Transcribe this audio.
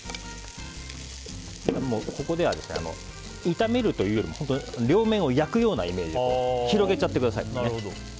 ここでは炒めるというより両面を焼くようなイメージで広げちゃってください。